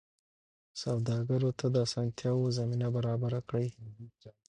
سوداګرو ته د اسانتیاوو زمینه برابره کړئ.